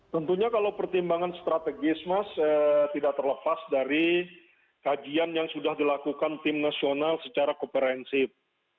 tentunya kalau pertimbangan strategis mas tidak terlepas dari kajian yang sudah dilakukan tim nasional secara komprehensif